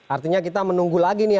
artinya kita menunggu lagi nih